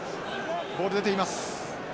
ボール出ています。